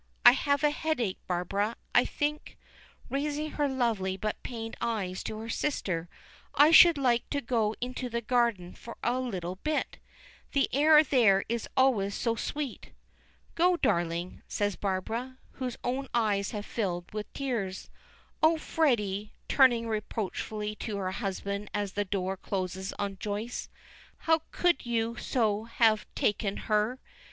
I have a headache, Barbara. I think," raising her lovely but pained eyes to her sister, "I should like to go into the garden for a little bit. The air there is always so sweet." "Go, darling," says Barbara, whose own eyes have filled with tears. "Oh, Freddy," turning reproachfully to her husband as the door closes on Joyce, "how could you so have taken her?